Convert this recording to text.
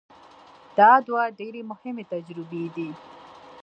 دا دوه ډېرې مهمې تجربې دي.